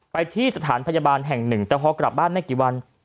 ไปที่สถานพยาบาลแห่งหนึ่งแต่พอกลับบ้านไม่กี่วัน